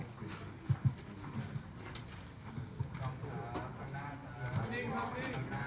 พี่